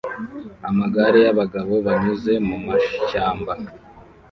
amagare y'abagabo banyuze mumashyamba